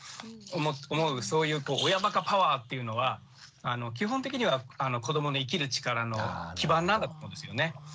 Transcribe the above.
そういう親ばかパワーっていうのは基本的には子どもの生きる力の基盤なんだと思うんですよね。